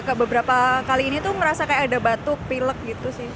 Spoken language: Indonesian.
kayak beberapa kali ini tuh ngerasa kayak ada batuk pilek gitu sih